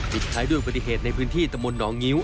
พิริธันดูปฏิเหตุในพื้นที่ตะมุนหนองงิ้ว